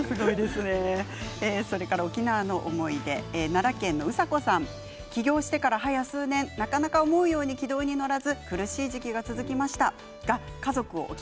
沖縄の思い出、奈良県の方起業してからはや数年なかなか思うように軌道に乗らず苦しい時期が続きました。